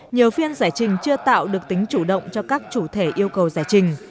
nhiều phiên giải trình chưa tạo được tính chủ động cho các chủ thể yêu cầu giải trình